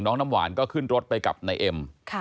น้องน้ำหวานก็ขึ้นรถไปกลับในเอ็ม